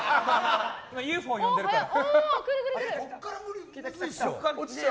ＵＦＯ呼んでるから。